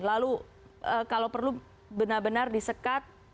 lalu kalau perlu benar benar disekat